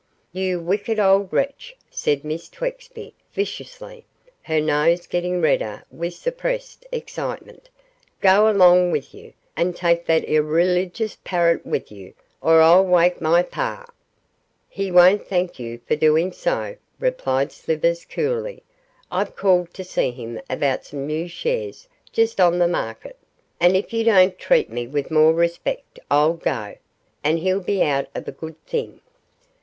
'You wicked old wretch,' said Miss Twexby, viciously her nose getting redder with suppressed excitement 'go along with you, and take that irreligious parrot with you, or I'll wake my par.' 'He won't thank you for doing so,' replied Slivers, coolly; 'I've called to see him about some new shares just on the market, and if you don't treat me with more respect I'll go, and he'll be out of a good thing.